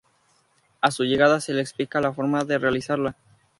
A su llegada se le explica la forma de realizarla.